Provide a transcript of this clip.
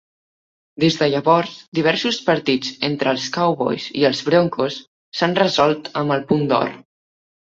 Des de llavors, diversos partits entre els Cowboys i els Broncos s'han resolt amb el punt d'or.